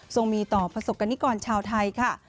มีต่อประสบกรณิกรชาวไทยค่ะ